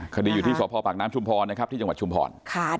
คดีอยู่ที่สพปากน้ำชุมพรนะครับที่จังหวัดชุมพร